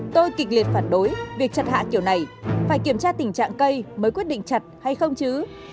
tôi kịch liệt phản đối việc chặt hạ kiểu này phải kiểm tra tình trạng cây mới quyết định chặt hay không chứ